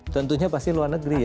tentunya pasti luar negeri ya